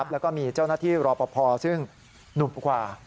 แล้วก็มีเจ้าหน้าที่รอปภซึ่งหนุ่มกว่า